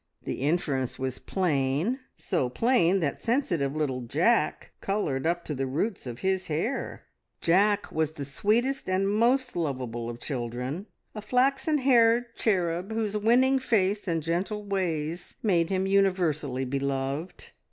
The inference was plain, so plain that sensitive little Jack coloured up to the roots of his hair. Jack was the sweetest and most lovable of children a flaxen haired cherub, whose winning face and gentle ways made him universally beloved.